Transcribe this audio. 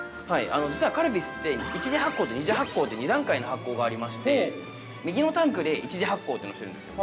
◆実はカルピスって、一次発酵と二次発酵という２段階の発酵がありまして、右のタンクで一次発酵というのをしてるんですよ。